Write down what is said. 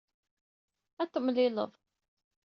Ad temlelliḍ.